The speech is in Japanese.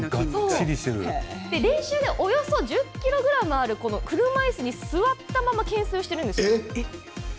練習でおよそ１０ｋｇぐらいもある車いすに座ったまま懸垂してるんですよ。